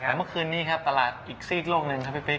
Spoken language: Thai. แต่เมื่อคืนนี้ครับตลาดอีกซีกโลกหนึ่งครับพี่ปิ๊